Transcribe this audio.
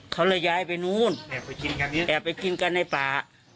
เขาเลยย้ายไปนู้นแอบไปกินกันในป่า